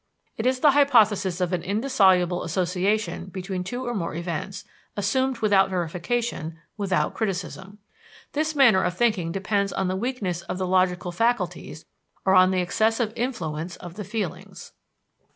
It is the hypothesis of an indissoluble association between two or more events, assumed without verification, without criticism. This manner of thinking depends on the weakness of the logical faculties or on the excessive influence of the feelings.